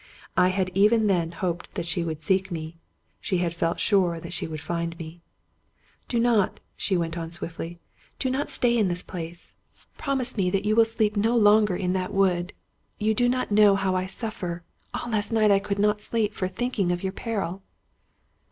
I had even then hoped that she would seek me; she had felt sure that she would find me.) "Do not," she went on swiftly, " do not stay in this place. Promise me that you 172 Robert Louis Stevenson will sleep no longer in that wood. You do not know how I suffer; all last night I could not sleep for thinking of your peril."